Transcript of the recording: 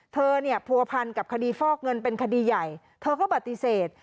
เธอเนี่ยผัวพันกับคดีฟอกเงินเป็นคดีใหญ่เธอก็ปฏิเสธ